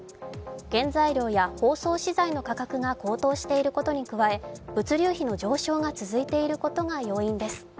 原材料や包装資材の価格が高騰していることに加え物流費の上昇が続いていることが要因です。